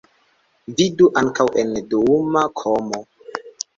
Vidu ankaŭ en duuma komo.